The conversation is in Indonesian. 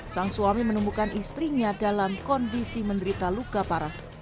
sang suami menemukan istrinya dalam kondisi menderita luka parah